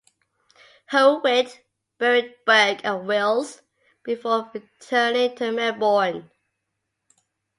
Howitt buried Burke and Wills before returning to Melbourne.